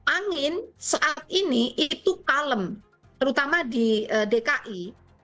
angin saat ini itu kalem terutama di dki